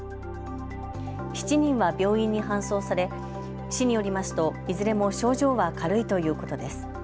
７人は病院に搬送され市によりますと、いずれも症状は軽いということです。